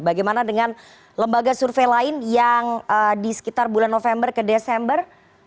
bagaimana dengan lembaga survei lain yang di sekitar bulan november ke desember